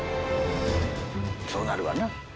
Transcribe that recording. そうなるわな。